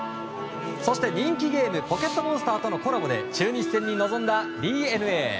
そして人気ゲーム「ポケットモンスター」とのコラボで中日戦に臨んだＤｅＮＡ。